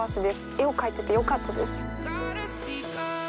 絵を描いててよかったです。